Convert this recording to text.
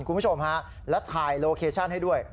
คุณผู้ชมฮะแล้วถ่ายโลเคชั่นให้ด้วย